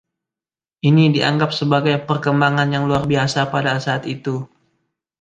Ini dianggap sebagai perkembangan yang luar biasa pada saat itu.